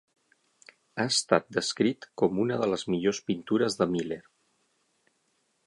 Ha estat descrit com una de les millors pintures de Miller.